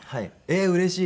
うれしい。